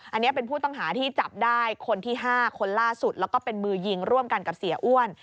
อันนี้เป็นผู้ต้องหาที่จับได้คนที่๕คนล่าสุดแล้วก็เป็นมือยิงร่วมกันกับเสียอ้วน